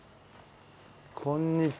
こんにちは。